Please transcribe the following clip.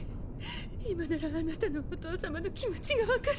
今ならあなたのお父様の気持ちが分かる。